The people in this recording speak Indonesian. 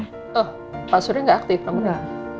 oh pak suri gak aktif nomornya